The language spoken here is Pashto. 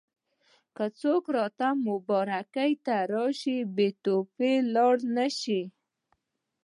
که څوک راته مبارکۍ ته راشي بې تحفې لاړ نه شي.